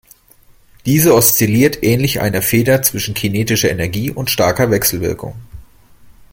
Diese oszilliert ähnlich einer Feder zwischen kinetischer Energie und starker Wechselwirkung.